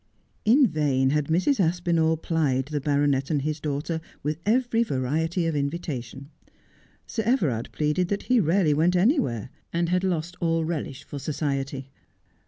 In vain had Mrs. Aspinall plied the baronet and his daughter with every variety of invitation. Sir Everard pleaded that he rarely went anywhere, and had lost all relish for society.